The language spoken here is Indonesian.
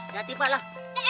jati pak lah